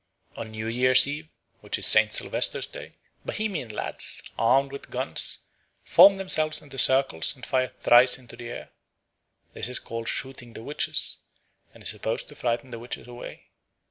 On New Year's Eve, which is Saint Sylvester's Day, Bohemian lads, armed with guns, form themselves into circles and fire thrice into the air. This is called "Shooting the Witches" and is supposed to frighten the witches away.